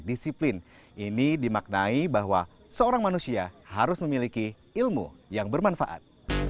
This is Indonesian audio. disiplin ini dimaknai bahwa seorang manusia harus memiliki ilmu yang bermanfaat